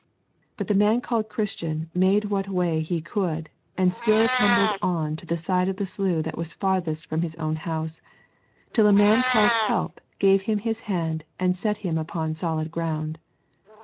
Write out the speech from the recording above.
But the man called Christian made what way he could, and still tumbled on to the side of the slough that was farthest from his own house, till a man called Help gave him his hand and set him upon sound ground.